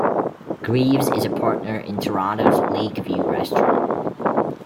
Greaves is a partner in Toronto's Lakeview Restaurant.